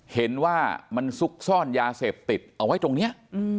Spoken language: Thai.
เห็นว่ามันซุกซ่อนยาเสพติดเอาไว้ตรงนี้